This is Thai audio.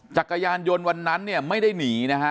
จักรยานยนต์วันนั้นเนี่ยไม่ได้หนีนะฮะ